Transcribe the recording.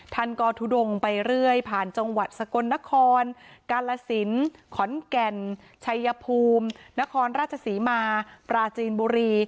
ท่านก็ทุดงไปเรื่อยผ่านจังหวัดสกลนครกาลสินขอนแก่นชัยภูมินครราชศรีมาปราจีนบุรี